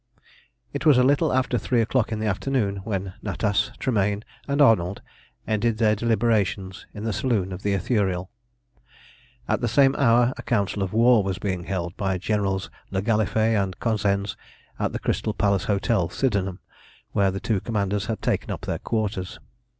It was a little after three o'clock in the afternoon when Natas, Tremayne, and Arnold ended their deliberations in the saloon of the Ithuriel. At the same hour a council of war was being held by Generals le Gallifet and Cosensz at the Crystal Palace Hotel, Sydenham, where the two commanders had taken up their quarters.